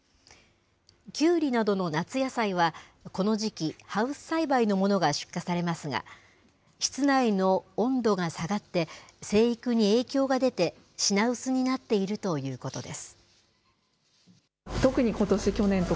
きゅうりなどの夏野菜は、この時期、ハウス栽培のものが出荷されますが、室内の温度が下がって、生育に影響が出て、品薄になっているということです。